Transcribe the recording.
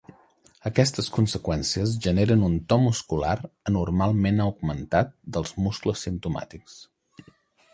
Aquestes conseqüències generen un to muscular anormalment augmentat dels muscles simptomàtics.